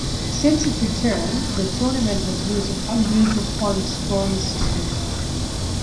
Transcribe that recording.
Since its return, the tournament has used an unusual point scoring system.